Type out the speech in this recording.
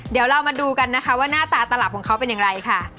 เดี๋ยวเรามาดูกันนะคะว่าหน้าตาตลับของเขาเป็นอย่างไรค่ะ